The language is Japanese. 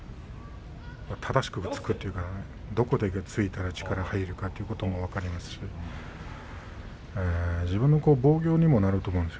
正しく突くというかどこで突いたら力が入るかということも分かりますし自分の防御にもなると思うんです